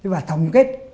và tổng kết